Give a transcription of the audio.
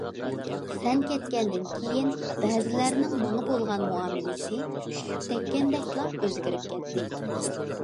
سەن كەتكەندىن كېيىن بەزىلەرنىڭ ماڭا بولغان مۇئامىلىسى ئۈششۈك تەگكەندەكلا ئۆزگىرىپ كەتتى.